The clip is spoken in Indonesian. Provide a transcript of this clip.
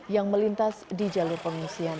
yang melintas di jalur pengungsian